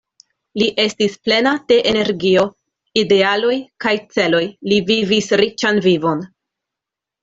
Li estis plena de energio, idealoj kaj celoj, li vivis riĉan vivon.